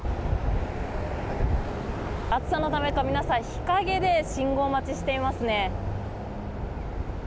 暑さのためか、皆さん日陰で信号待ちしていますね。